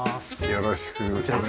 よろしくお願いします。